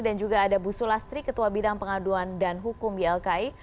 dan juga ada bu sulastri ketua bidang pengaduan dan hukum ylki